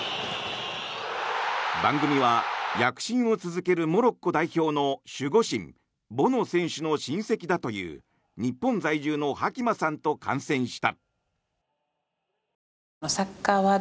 番組は躍進を続けるモロッコ代表の守護神ボノ選手の親戚だという日本在住のハキマさんと観戦した。